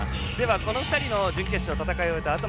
この２人の準決勝を戦い終えたあとの